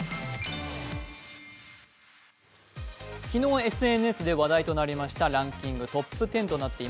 昨日、ＳＮＳで話題となりましたランキングトップ１０です。